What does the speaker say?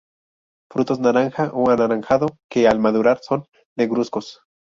Frutos naranja a anaranjado, que al madurar son negruzcos.